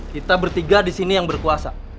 kita bertiga di sini yang berkuasa